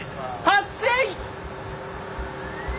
発進！